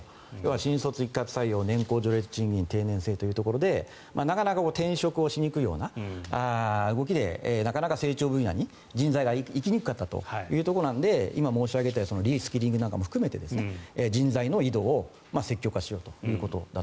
新卒一括採用年功序列、定年制ということで転職しにくいような動きでなかなか成長分野に人材が行きにくかったということなので今申し上げたリスキリングも含めて人材の移動を積極化しようと。